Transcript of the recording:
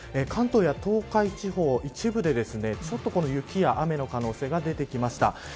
関東や東海地方一部でちょっと雪や雨の可能性が出てきました。